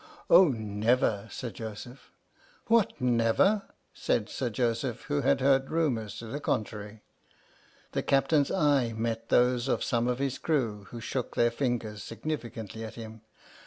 "" Oh never, Sir Joseph! "" What, never} " said Sir Joseph, who had heard rumours to the contrary. The Captain's eye met those of some of his crew, who shook their fingers significantly at him.